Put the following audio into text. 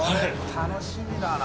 楽しみだな。